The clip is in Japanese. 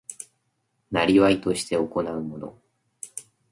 業として行うもの